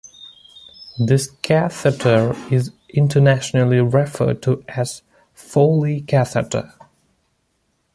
This catheter is internationally referred to as Foley catheter.